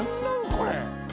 これ。